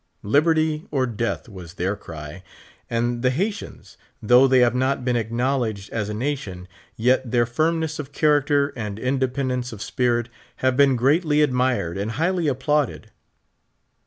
"Liberty or death" was their cry. And the Hay tians, though the}" have not been acknowledged as a nation, yet their firmness of character and independence of spirit have been greatly admired and highly applauded.